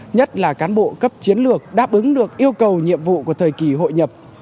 nhất là cán bộ cấp chiến lược đáp ứng được yêu cầu nhiệm vụ của thời kỳ hội nhập